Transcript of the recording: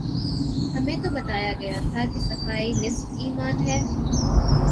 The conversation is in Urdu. ہمیں تو بتایا گیا تھا کہ صفائی نصف ایمان ہے۔